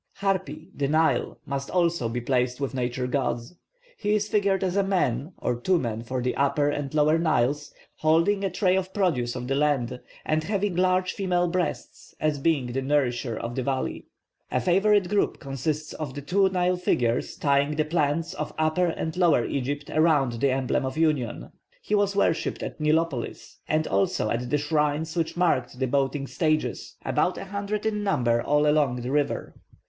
+Hapi+, the Nile, must also be placed with Nature gods. He is figured as a man, or two men for the Upper and Lower Niles, holding a tray of produce of the land, and having large female breasts as being the nourisher of the valley. A favourite group consists of the two Nile figures tying the plants of Upper and Lower Egypt around the emblem of union. He was worshipped at Nilopolis, and also at the shrines which marked the boating stages, about a hundred in number all along the river.